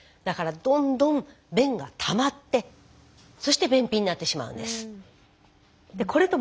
だからどんどん便がたまってそして便秘になってしまうんです。